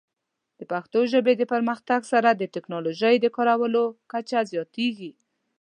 د پښتو ژبې د پرمختګ سره، د ټیکنالوجۍ د کارولو کچه زیاتېږي.